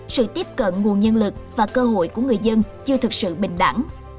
sự tiếp cận nguồn nhân lực và cơ hội của người dân chưa thực sự bình đẳng